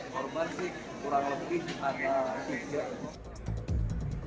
korban sih kurang lebih ada tiga